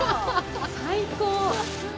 最高！